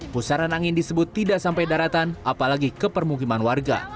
pusaran angin disebut tidak sampai daratan apalagi ke permukiman warga